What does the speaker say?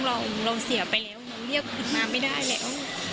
เราเสียไปแล้วเราเรียกมาไม่ได้แล้ว